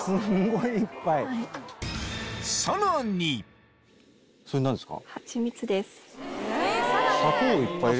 さらにそれ何ですか？